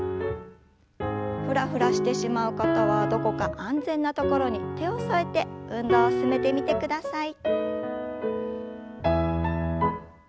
ふらふらしてしまう方はどこか安全な所に手を添えて運動を進めてみてください。